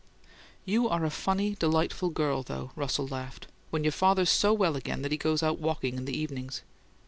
"You ARE a funny, delightful girl, though!" Russell laughed. "When your father's so well again that he goes out walking in the evenings!"